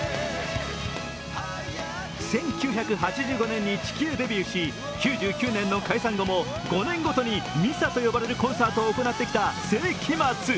１９８５年に地球デビューし、９９年の解散後も５年ごとにミサと呼ばれるコンサートを行ってきた聖飢魔Ⅱ。